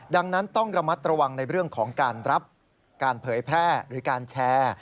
ดังนั้นต้องระมัดระวังในเรื่องของการรับการเผยแพร่หรือการแชร์